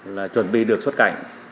là chuẩn bị được xuất cảnh